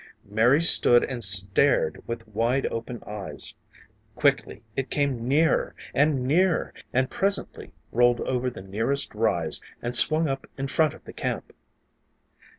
Mary stood and stared with wide open eyes. Quickly it came nearer and nearer and presently rolled over the nearest rise and swung up in front of the camp.